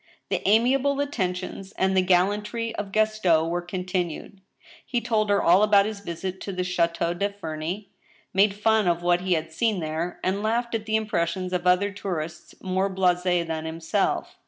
The amiable attentions and the gallantry of Gaston w^ere con tinued. He told her all about his visit to the Chdteau de Femey, 15 226 THE STBEL HAMMEJH, made fun of what he had seen there, and laughed at the impres ' sions of other tourists more blasi than himself.